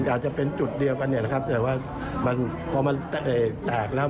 อาจจะเป็นจุดเดียวกันแต่ว่าพอมันแตกแล้ว